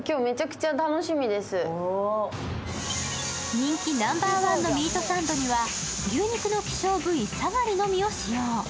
人気のナンバーワンのミートサンドには牛肉の希少部位サガリのみを使用。